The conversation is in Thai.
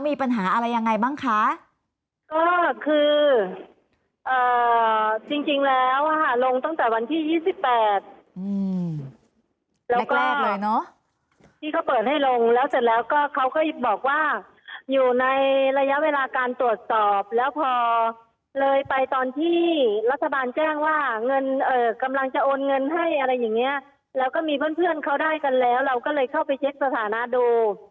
มีปัญหาอะไรยังไงบ้างคะก็คือจริงแล้วอ่ะค่ะลงตั้งแต่วันที่๒๘แล้วก็ที่เขาเปิดให้ลงแล้วเสร็จแล้วก็เขาก็บอกว่าอยู่ในระยะเวลาการตรวจสอบแล้วพอเลยไปตอนที่รัฐบาลแจ้งว่าเงินกำลังจะโอนเงินให้อะไรอย่างเงี้ยแล้วก็มีเพื่อนเพื่อนเขาได้กันแล้วเราก็เลยเข้าไปเช็คสถานะดู